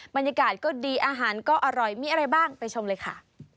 บรรยากาศก็ดีอาหารก็อร่อยมีอะไรบ้างไปชมเลยค่ะ